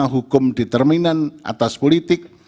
pertama hukum determinan atas politik